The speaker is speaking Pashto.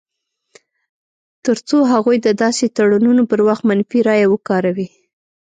تر څو هغوی د داسې تړونونو پر وخت منفي رایه وکاروي.